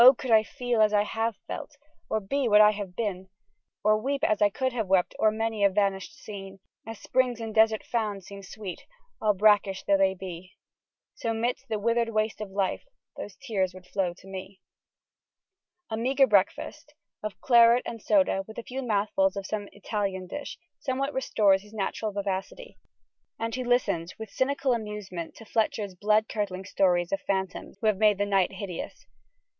could I feel as I have felt, or be what I have been, Or weep as I could once have wept o'er many a vanished scene; As springs in desert found seem sweet, all brackish though they be, So, 'midst the wither'd waste of life, those tears would flow to me. A meagre breakfast, of claret and soda with a few mouthfuls of some Italian dish, somewhat restores his natural vivacity: and he listens with cynical amusement to Fletcher's blood curdling stories of the phantoms who have made night hideous.